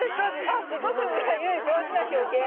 あっすごく上手な表現。